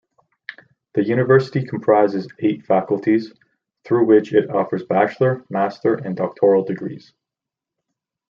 The university comprises eight faculties, through which it offers bachelor, master and doctoral degrees.